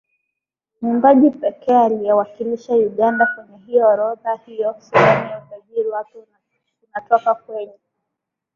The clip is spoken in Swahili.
mwimbaji pekee aliyeiwakilisha Uganda kwenye hiyo orodha hiyo Sehemu ya utajiri wake unatoka kwenye